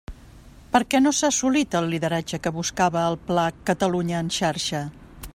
Per què no s'ha assolit el lideratge que buscava el Pla Catalunya en Xarxa?